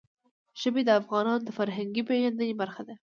ژبې د افغانانو د فرهنګي پیژندنې برخه ده.